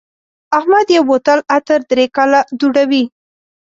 احمد یو بوتل عطر درې کاله دوړوي.